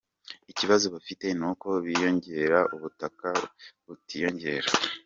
Ikibazo bafite ni uko biyongera, ubutaka butiyongera.